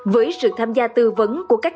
với sự tham gia tư vấn của các